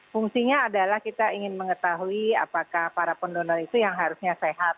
fungsinya adalah kita ingin mengetahui apakah para pendonor itu yang harusnya sehat